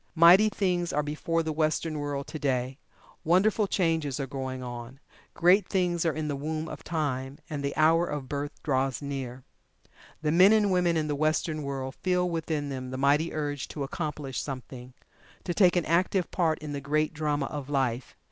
Mighty things are before the Western world to day wonderful changes are going on great things are in the womb of time, and the hour of birth draws near. The men and women in the Western world feel within them the mighty urge to "accomplish" something to take an active part in the great drama of life.